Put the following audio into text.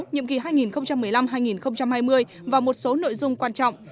nhiệm kỳ hai nghìn một mươi năm hai nghìn hai mươi và một số nội dung quan trọng